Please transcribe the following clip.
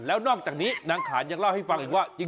แล้วนอกจากนี้นางขานยังเล่าให้ฟังอีกว่า